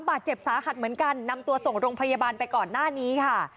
บาดเจ็บสาหัสเหมือนกันนำตัวส่งโรงพยาบาลไปก่อนหน้านี้ค่ะ